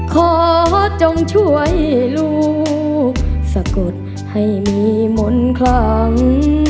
จงช่วยลูกสะกดให้มีมนต์คลัง